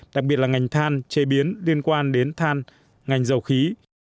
đặc biệt là ngành than chế biến liên quan đến than ngành dầu khí